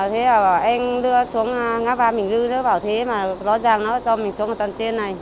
thế là bảo em đưa xuống ngã ba bình lưu nó bảo thế mà rõ ràng nó cho mình xuống ở tầng trên này